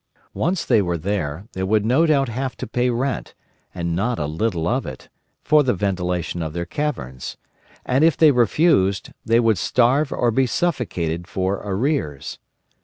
Once they were there, they would no doubt have to pay rent, and not a little of it, for the ventilation of their caverns; and if they refused, they would starve or be suffocated for arrears.